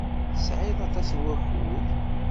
Tesɛiḍ aṭas n wakud?